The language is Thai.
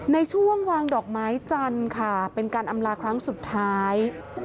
ในช่วงวางดอกไม้จันทร์ค่ะเป็นการอำลาครั้งสุดท้าย